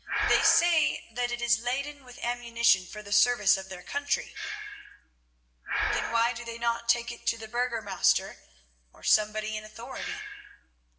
They say that it is laden with ammunition for the service of their country." "Then why do they not take it to the Burgomaster, or somebody in authority?"